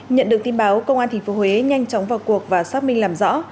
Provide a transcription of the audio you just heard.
nhận được tin báo công an tp huế nhanh chóng vào cuộc và xác minh làm rõ